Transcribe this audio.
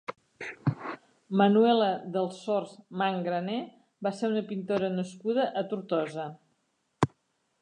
Manuela Delsors Mangrané va ser una pintora nascuda a Tortosa.